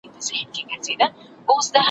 چاته مالونه جایدادونه لیکي ,